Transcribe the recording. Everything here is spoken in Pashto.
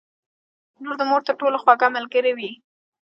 • لور د مور تر ټولو خوږه ملګرې وي.